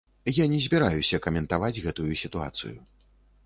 Я не збіраюся каментаваць гэтую сітуацыю.